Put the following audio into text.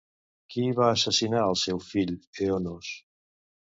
Qui va assassinar el seu fill Eonos?